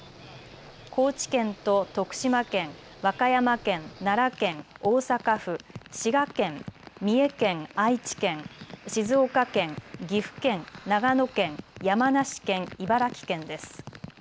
高知県と徳島県和歌山県、奈良県、大阪府滋賀県、三重県、愛知県静岡県、岐阜県、長野県山梨県、茨城県です。